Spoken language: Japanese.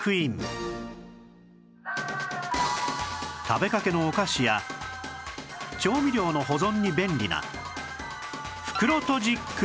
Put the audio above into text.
食べかけのお菓子や調味料の保存に便利な